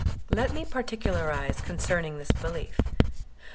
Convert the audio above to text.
Let me particularize concerning this belief.